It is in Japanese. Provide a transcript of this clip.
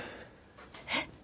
えっ！？